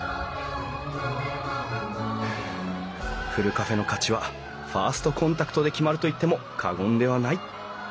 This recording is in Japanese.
カフェの価値はファーストコンタクトで決まると言っても過言ではない。